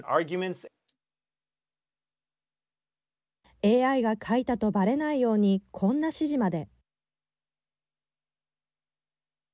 ＡＩが書いたとばれないようにこんな指示まで。